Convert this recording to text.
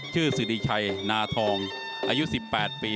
ชื่อสิริชัยนาทองอายุ๑๘ปี